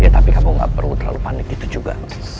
ya tapi kamu gak perlu terlalu panik gitu juga